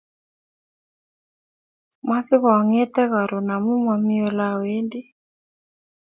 Masipang'ete karon amu mami ole awendi